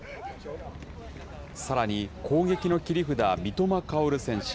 さらに攻撃の切り札、三笘薫選手。